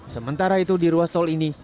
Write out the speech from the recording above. sementara itu di ruas tol ini